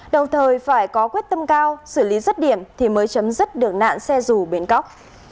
đồng thời phải có quyết tâm cao xử lý rất điểm thì mới chấm dứt đường nạn xe dù bến góc